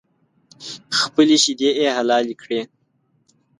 خپلې شیدې یې حلالې کړې